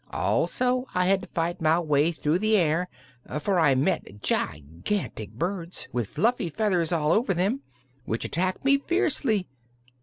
Also I had to fight my way through the air, for I met gigantic birds, with fluffy feathers all over them, which attacked me fiercely.